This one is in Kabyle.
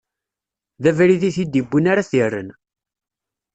D abrid i t-id-iwwin ara t-irren.